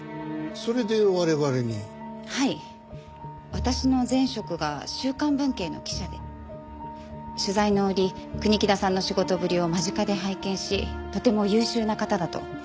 私の前職が『週刊文啓』の記者で取材の折国木田さんの仕事ぶりを間近で拝見しとても優秀な方だと。